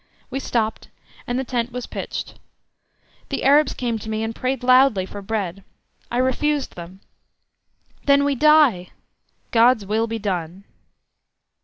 We stopped, and the tent was pitched. The Arabs came to me, and prayed loudly for bread. I refused them. "Then we die!" "God's will be done!"